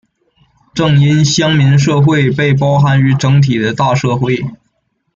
正因乡民社会被包含于整体的大社会。